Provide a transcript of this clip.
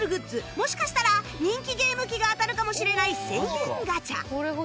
もしかしたら人気ゲーム機が当たるかもしれない１０００円ガチャ